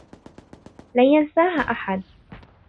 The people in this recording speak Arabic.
لن ينساها أحد.